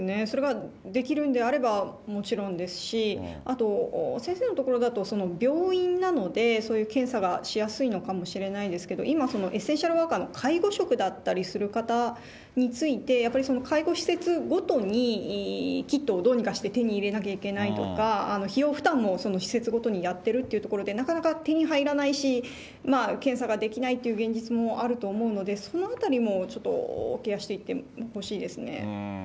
それができるんであれば、もちろんですし、あと、先生の所だと病院なので、そういう検査がしやすいのかもしれないですけど、今、エッセンシャルワーカーの介護職だったりする方について、やっぱり介護施設ごとにキットをどうにかして手に入れなきゃいけないとか、費用負担も施設ごとにやってるというところで、なかなか手に入らないし、まあ検査ができないという現実もあると思うので、そのあたりもちょっとケアしていってほしいですね。